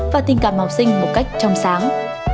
và tình cảm học sinh một cách trong sáng